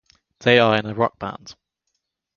They are in a rock band.